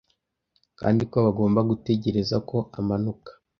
kandi ko bagomba gutegereza ko amanuka